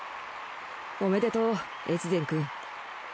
おめでとう越前くん。